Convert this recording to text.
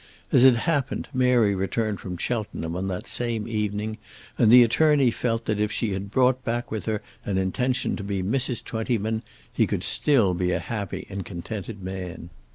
As it happened Mary returned from Cheltenham on that same evening and the attorney felt that if she had brought back with her an intention to be Mrs. Twentyman he could still be a happy and contented man.